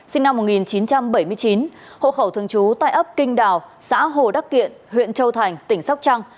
sinh năm một nghìn chín trăm bảy mươi chín hộ khẩu thường trú tại ấp kinh đào xã hồ đắc kiện huyện châu thành tỉnh sóc trăng